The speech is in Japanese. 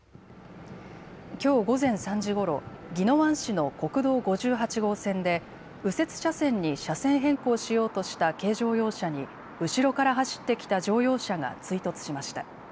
きょう午前３時ごろ、宜野湾市の国道５８号線で右折車線に車線変更しようとした軽乗用車に後ろから走ってきた乗用車が追突しました。